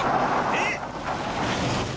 えっ！？